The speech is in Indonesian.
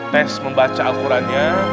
tes membaca al qurannya